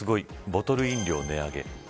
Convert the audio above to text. ボトル飲料値上げ。